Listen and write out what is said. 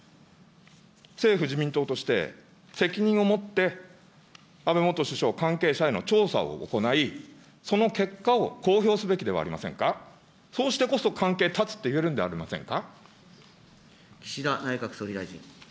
政府・自民党として、責任をもって安倍元首相、関係者への調査を行い、その結果を公表すべきではありませんか。そうしてこそ関係を断つと言えるのではありませんか。